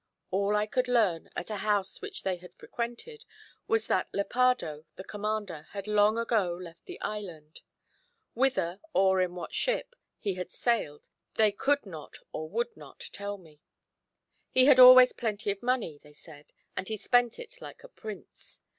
All I could learn, at a house which they had frequented, was that Lepardo, the commander, had long ago left the island. Whither, or in what ship, he had sailed, they could not or would not tell me: he had always plenty of money, they said, and he spent it like a prince.